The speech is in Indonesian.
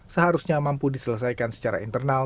seharusnya mampu diselesaikan secara internal